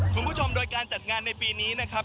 คุณผู้ชมโดยการจัดงานในปีนี้นะครับ